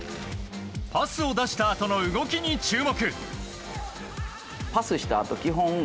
パスを出したあとの動きに注目。